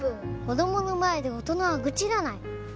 子供の前で大人は愚痴らない。